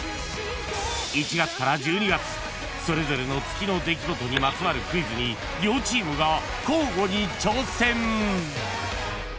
［１月から１２月それぞれの月の出来事にまつわるクイズに両チームが交互に挑戦！］